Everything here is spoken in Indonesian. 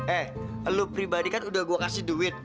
eh lo pribadi kan udah gue kasih duit